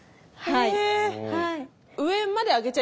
はい。